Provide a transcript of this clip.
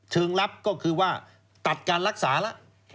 เชิงรับก็คือว่าตัดการรักษาล่ะ